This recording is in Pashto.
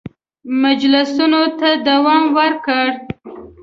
مجلسونو ته دوام ورکړ.